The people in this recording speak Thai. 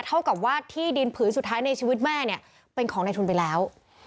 เท่ากับว่าที่ดินผืนสุดท้ายในชีวิตแม่เนี่ยเป็นของในทุนไปแล้ว